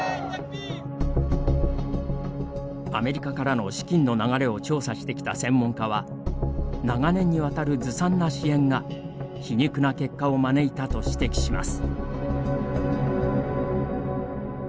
アメリカからの資金の流れを調査してきた専門家は長年にわたるずさんな支援が皮肉な結果を招いたと指摘します。